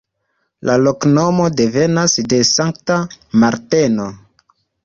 La loknomo devenas de Sankta Marteno.